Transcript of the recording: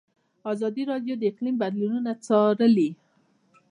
ازادي راډیو د اقلیم بدلونونه څارلي.